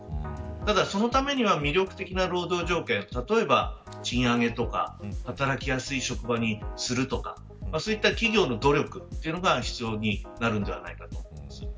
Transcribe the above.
ただそのためには魅力的な労働条件例えば賃上げとか働きやすい職場にするとかそういった企業の努力が必要になるんじゃないかと思います。